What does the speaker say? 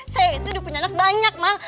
saya itu udah punya anak banyak mang